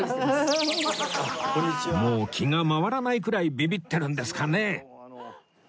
もう気が回らないくらいビビってるんですかね